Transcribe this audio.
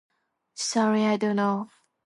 Sorry, I don't know.